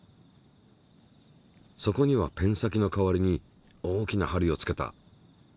そこにはペン先の代わりに大きな針をつけた。